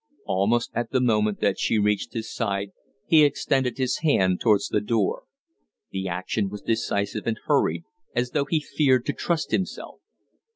Almost at the moment that she reached his side he extended his hand towards the door. The action was decisive and hurried, as though he feared to trust himself.